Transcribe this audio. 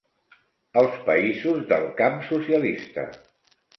Els països del camp socialista.